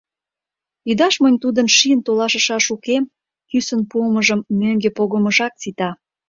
Ӱдаш монь тудын шийын толашышаш уке, кӱсын пуымыжым мӧҥгӧ погымыжак сита.